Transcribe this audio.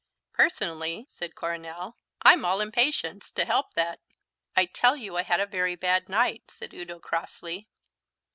"Personally," said Coronel, "I'm all impatience to help that " "I tell you I had a very bad night," said Udo crossly.